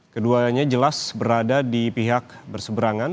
keduanya jelas berada di pihak berseberangan